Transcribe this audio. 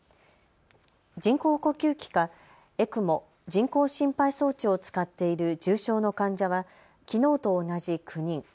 人工呼吸器かＥＣＭＯ・人工心肺装置を使っている重症の患者はきのうと同じ９人。